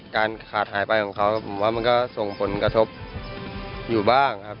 การขาดหายไปของเขาผมว่ามันก็ส่งผลกระทบอยู่บ้างครับ